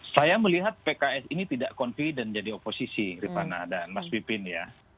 saya melihat pks ini tidak confident jadi oposisi rifana dan mas pipin ya